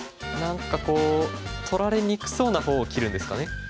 何かこう取られにくそうな方を切るんですかね。